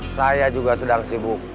saya juga sedang sibuk